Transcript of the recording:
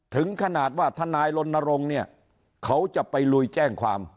ถึงขนาดว่าทนายรณรงค์เนี่ยเขาจะไปลุยแจ้งความ